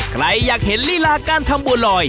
ใครอยากเห็นลีลาการทำบัวลอย